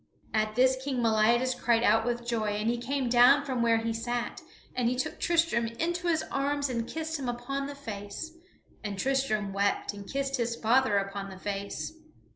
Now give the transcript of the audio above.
At this King Meliadus cried out with joy, and he came down from where he sat and he took Tristram into his arms and kissed him upon the face, and Tristram wept and kissed his father upon the face.